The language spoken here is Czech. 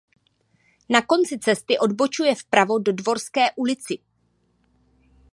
Na konci cesty odbočuje vpravo do "Dvorské ulici".